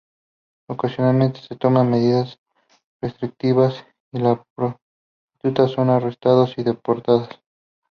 Ocasionalmente se toman medidas restrictivas, y las prostitutas son arrestadas y deportadas.